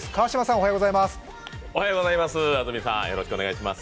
おはようございます、安住さん。